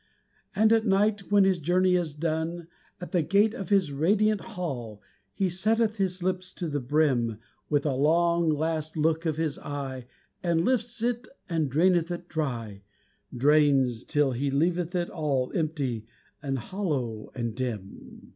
And at night when his journey is done, At the gate of his radiant hall, He setteth his lips to the brim, With a long last look of his eye, And lifts it and draineth it dry, Drains till he leaveth it all Empty and hollow and dim.